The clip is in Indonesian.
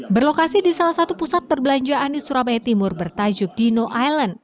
berlokasi di salah satu pusat perbelanjaan di surabaya timur bertajuk dino island